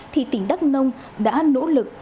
thì tỉnh đắk nông đã nỗ lực